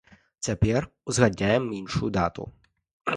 Цяпер узгадняем іншую дату.